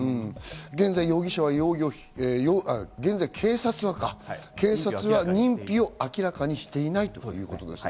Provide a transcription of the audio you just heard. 現在容疑者は、現在、警察はか、認否を明らかにしていないということですね。